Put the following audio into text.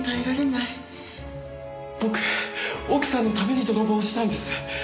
僕奥さんのために泥棒したんです。